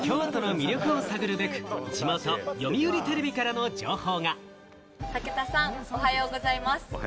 早速、京都の魅力を探るべく、地元・読売テレビからの情報が。